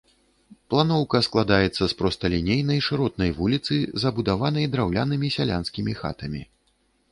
Планоўка складаецца з прасталінейнай шыротнай вуліцы, забудаванай драўлянымі сялянскімі хатамі.